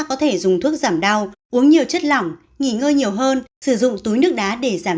có thể dùng thuốc giảm đau uống nhiều chất lỏng nghỉ ngơi nhiều hơn sử dụng túi nước đá để giảm